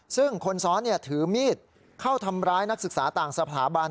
ซึ่งคนซ้อนถือมีดเข้าทำร้ายนักศึกษาต่างสถาบัน